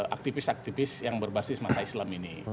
aktivis aktivis yang berbasis mata islam ini